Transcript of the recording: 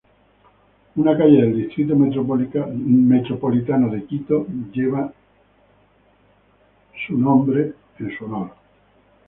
Una calle del Distrito Metropolitano de Quito fue nombrada en su honor.